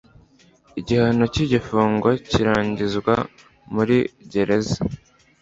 Igihano cy igifungo kirangirizwa muri gereza